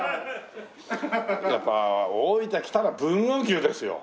やっぱ大分来たら豊後牛ですよ。